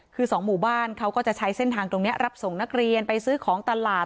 คือสองหมู่บ้านเขาก็จะใช้เส้นทางตรงนี้รับส่งนักเรียนไปซื้อของตลาด